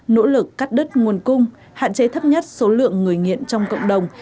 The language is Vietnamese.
nỗ lực cắt đứt nguồn cung hạn chế thấp nhất số lượng người nghiện trong cộng đồng